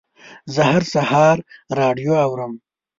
زه هر سهار راډیو اورم.